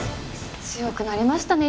強くなりましたね